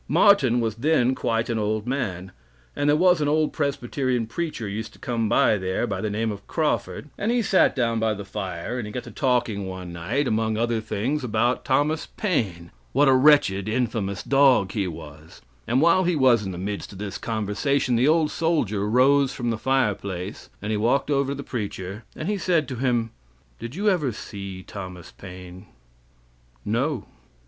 Martin was then quite an old man; and there was an old Presbyterian preacher used to come there, by the name of Crawford, and he sat down by the fire and he got to talking one night, among other things about Thomas Paine what a wretched, infamous dog he was; and while he was in the midst of this conversation the old soldier rose from the fireplace, and he walked over to the preacher, and he said to him "Did you ever see Thomas Paine?" "No."